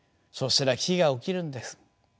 そしたら奇跡が起きるんです。